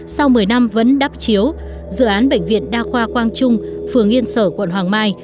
sau một mươi năm vẫn đắp chiếu dự án bệnh viện đa khoa quang trung phường yên sở quận hoàng mai